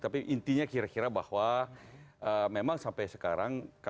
tapi intinya kira kira bahwa memang sampai sekarang